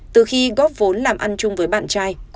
từ khi góp vốn làm ăn chung với bạn trai